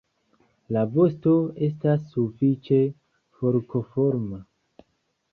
La vosto estas sufiĉe forkoforma.